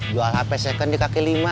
jual hp second di kaki lima